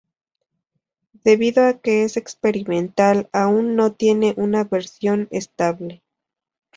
Debido a que es experimental, aún no tiene una versión estable.